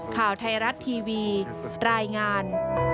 ข่าวไทยรัฐทีวีรายงาน